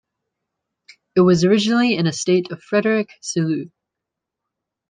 It was originally an estate of Frederick Selous.